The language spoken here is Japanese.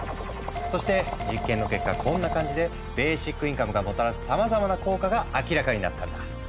そして実験の結果こんな感じでベーシックインカムがもたらすさまざまな効果が明らかになったんだ。